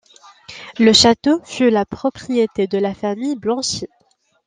Le château fut la propriété de la famille Blanchy.